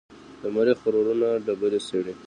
د مریخ روورونه ډبرې څېړي.